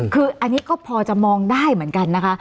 คืออันนี้ก็พอจะมองได้เหมือนกันนะคะ